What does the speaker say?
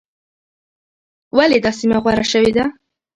ولې دا سیمه غوره شوې ده؟